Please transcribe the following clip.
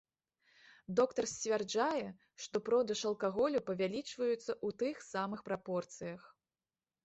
Доктар сцвярджае, што продаж алкаголю павялічваюцца ў тых самых прапорцыях.